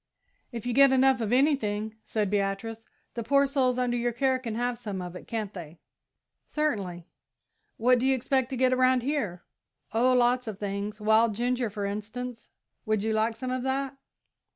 "If you get enough of anything," said Beatrice, "the poor souls under your care can have some of it, can't they?" "Certainly." "What do you expect to get around here?" "Oh, lots of things. Wild ginger, for instance would you like some of that?"